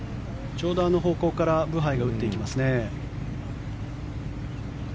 ちょうどあの方向からブハイが打っていきますね。